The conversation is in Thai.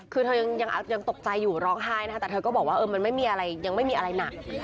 คือเธอยังตกใจอยู่ร้องไห้นะคะแต่เธอก็บอกว่ามันไม่มีอะไรยังไม่มีอะไรหนัก